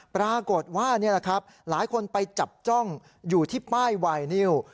ปรากฏว่านี่แหละครับหลายคนไปจับจ้องอยู่ที่ป้ายไวนิว